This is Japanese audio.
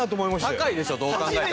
高いでしょどう考えても。